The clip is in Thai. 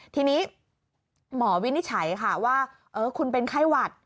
ทีนี้หมอวินิจฉัยค่ะว่าคุณเป็นไข้หวัด